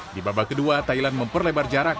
di babak kedua thailand memperlebar jarak